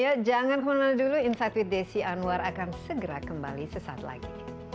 ya jangan kemana mana dulu insight with desi anwar akan segera kembali sesaat lagi